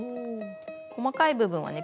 細かい部分はね